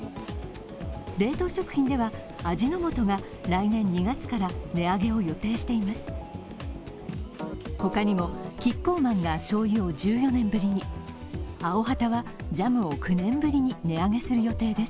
冷凍食品では、味の素が来年２月から値上げを予定しています。